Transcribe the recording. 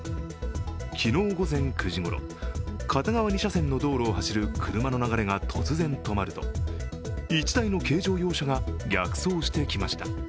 昨日午前９時ごろ、片側２車線の車の流れが突然止まると、１台の軽乗用車が逆走してきました。